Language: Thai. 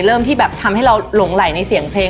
เริ่มที่แบบทำให้เราหลงไหลในเสียงเพลง